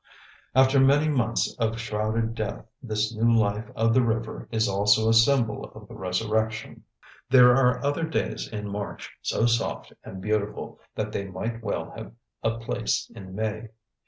After many months of shrouded death this new life of the river is also a symbol of the resurrection. There are other days in March so soft and beautiful that they might well have a place in May.